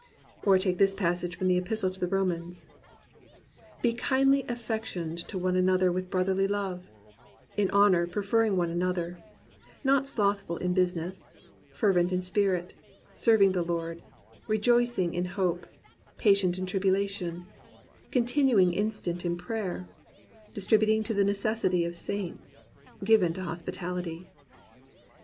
Or take this passage from the Epistle to the Romans : "Be kindly afiPectioned one to another with broth erly love; in honour preferring one another; not slothful in business; fervent in spirit; serving the Lord; rejoicing in hope; patient in tribulation; con tinuing instant in prayer; distributing to the ne cessity of saints; given to hospitality."